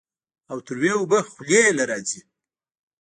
او تروې اوبۀ خلې له راځي